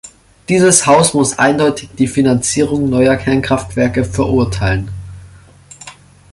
Dieses Haus muss eindeutig die Finanzierung neuer Kernkraftwerke verurteilen.